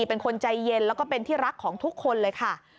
เป็นคนใจเย็นแล้วก็เป็นที่รักของทุกคนเลยค่ะ